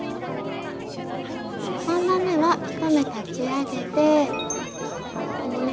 ３段めは１目立ち上げてこのね